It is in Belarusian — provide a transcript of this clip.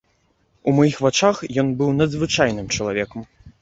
У маіх вачах ён быў надзвычайным чалавекам.